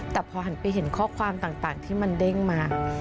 แต่พอหันไปเห็นข้อความต่างที่มันเด้งมา